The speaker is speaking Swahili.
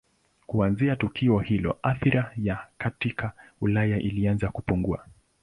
Kuanzia tukio hilo athira yao katika Ulaya ilianza kupungua.